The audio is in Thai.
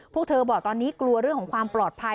พวกเธอบอกตอนนี้กลัวเรื่องของความปลอดภัย